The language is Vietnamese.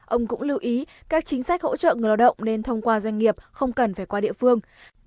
ông cũng lưu ý các chính sách hỗ trợ người lao động nên thông qua doanh nghiệp không cần phải qua địa phương